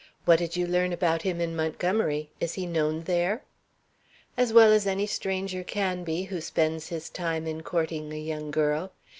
What did you learn about him in Montgomery? Is he known there?" "As well as any stranger can be who spends his time in courting a young girl.